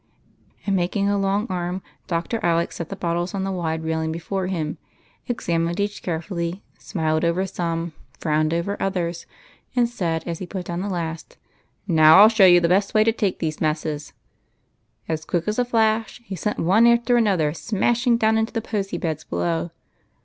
And, making a long arm. Dr. Alec set the bottles on the wide railing before him, examined each carefully, smiled over some, frowned over others, and said, as he put down the last :" Now 28 EIGHT COUSINS. [ '11 show you the best way to take these messes." And, as quick as a flash, he sent one after another smashing down into the posy beds below.